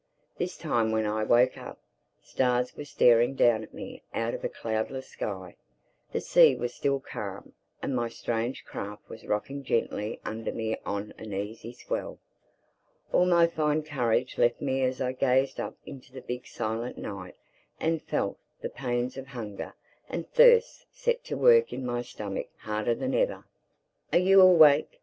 This time when I woke up, stars were staring down at me out of a cloudless sky. The sea was still calm; and my strange craft was rocking gently under me on an easy swell. All my fine courage left me as I gazed up into the big silent night and felt the pains of hunger and thirst set to work in my stomach harder than ever. "Are you awake?"